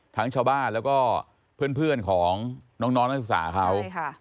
ชาวบ้านแล้วก็เพื่อนของน้องนักศึกษาเขา